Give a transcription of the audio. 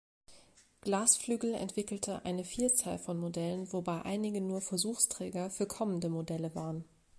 Glasflügel entwickelte eine Vielzahl von Modellen, wobei einige nur Versuchsträger für kommende Modelle waren.